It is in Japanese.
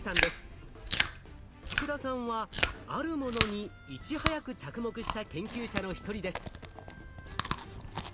福田さんはあるものにいち早く着目した研究者の一人です。